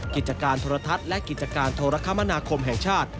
กิจการโทรทัศน์และกิจการโทรคมนาคมแห่งชาติ